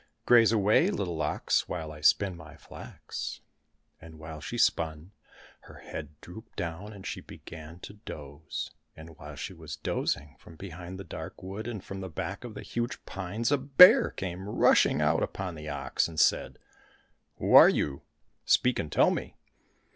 Graze away, little ox, while I spin my flax !" And while she spun, her head drooped down and she began to doze, and while she was dozing, from behind the dark wood and from the back of the huge pines a bear came rushing out upon the ox and said, " Who are you .'' Speak and tell me